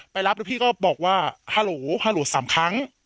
ไปรับแล้วพี่ก็บอกว่าฮาโหลฮาโหล๑๙๐๐